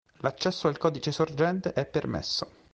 L'accesso al codice sorgente è permesso.